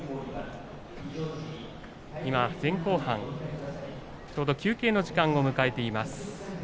今、前後半ちょうど休憩の時間を迎えています。